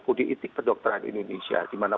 kode etik kedokteran indonesia dimana